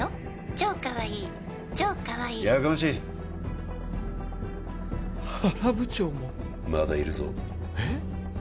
超かわいい超かわいい」やかましい原部長もまだいるぞえっ？